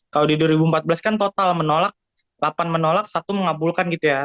kalau di dua ribu empat belas kan total menolak delapan menolak satu mengabulkan gitu ya